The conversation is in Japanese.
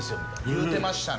言うてましたね。